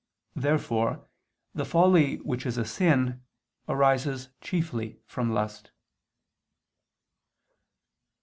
Therefore the folly which is a sin, arises chiefly from lust.